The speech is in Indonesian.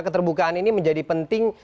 keterbukaan ini menjadi penting